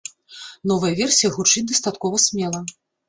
Новая версія гучыць дастаткова смела.